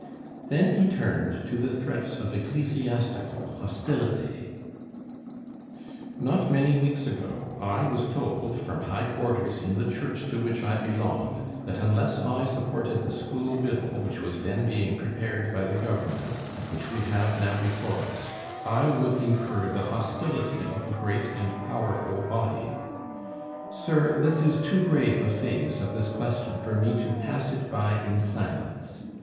Then he turned to the threats of ecclesiastical hostility: Not many weeks ago I was told from high quarters in the Church to which I belong, that unless I supported the School Bill which was then being prepared by the government, and which we have now before us, I would incur the hostility of a great and powerful body. Sir, this is too grave a phase of this question for me to pass it by in silence.